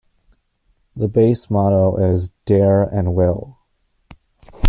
The base motto is ""Dare and Will"".